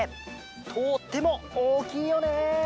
とってもおおきいよね！